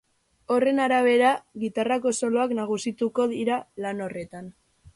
Horren arabera, gitarrako soloak nagusituko dira lan horretan.